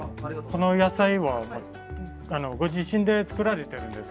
この野菜はご自身で作られているんですか？